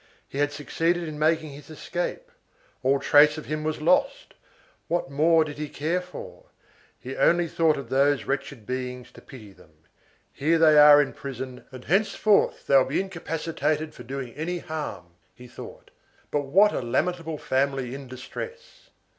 He had succeeded in making his escape; all trace of him was lost—what more did he care for! he only thought of those wretched beings to pity them. "Here they are in prison, and henceforth they will be incapacitated for doing any harm," he thought, "but what a lamentable family in distress!"